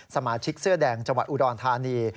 สมาชิกเสื้อแดงจังหวัดอุดรธานี